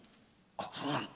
あっそうなの。